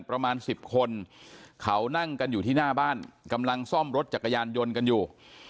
ประมาณ๑๐คนเขานั่งกันอยู่ที่หน้าบ้านกำลังซ่อมรถจักรยานยนต์กันอยู่